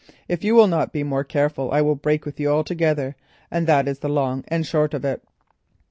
If you will not be more careful, I will break with you altogether, and that is the long and short of it."